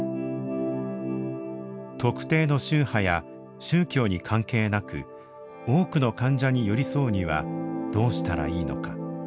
特定の宗派や宗教に関係なく多くの患者に寄り添うにはどうしたらいいのか。